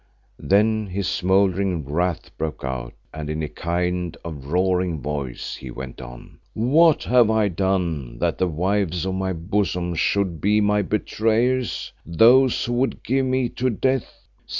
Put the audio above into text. Then his smouldering wrath broke out and in a kind of roaring voice he went on, "What have I done that the wives of my bosom should be my betrayers, those who would give me to death?